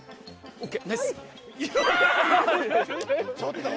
ＯＫ。